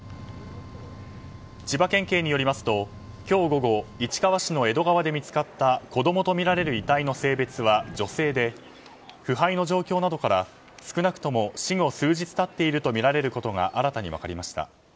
千葉県警によりますと今日午後市川市の江戸川で見つかった子供とみられる遺体の性別は女性で腐敗の状況などから少なくとも死後数日経っているとみられることが新たに分かりました。